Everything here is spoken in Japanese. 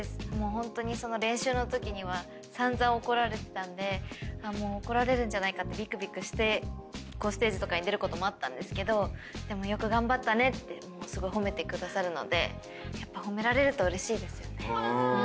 ホントに練習の時には散々怒られてたのでもう怒られるんじゃないかってビクビクしてステージとかに出る事もあったんですけど「よく頑張ったね」ってすごい褒めてくださるので。